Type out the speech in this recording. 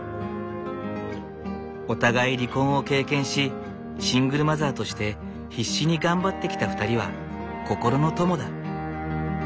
お互い離婚を経験しシングルマザーとして必死に頑張ってきた２人は心の友だ。